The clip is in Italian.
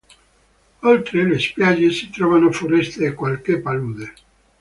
Oltre le spiagge si trovano foreste e qualche palude.